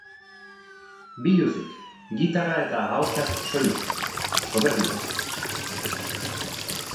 Biluzik, gitarra eta ahotsaz soilik, soberbioa.